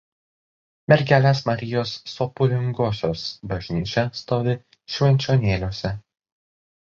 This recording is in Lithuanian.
Mergelės Marijos Sopulingosios bažnyčia stovi Švenčionėliuose.